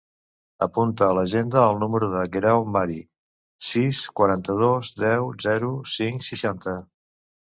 Apunta a l'agenda el número del Guerau Mari: sis, quaranta-dos, deu, zero, cinc, seixanta.